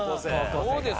そうです。